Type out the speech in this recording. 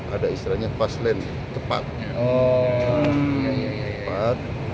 ada istilahnya paslen tepat